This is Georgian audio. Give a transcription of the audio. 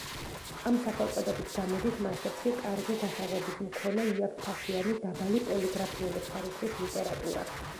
ამ სახელწოდებით გამოდის მასებში კარგი გასაღების მქონე იაფფასიანი, დაბალი პოლიგრაფიული ხარისხის ლიტერატურა.